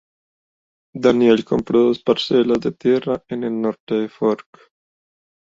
Daniel compró dos parcelas de tierra en el norte de Fork.